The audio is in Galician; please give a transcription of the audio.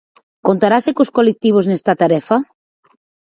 Contarase cos colectivos nesta tarefa?